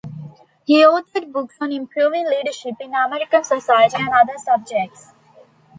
He authored books on improving leadership in American society and other subjects.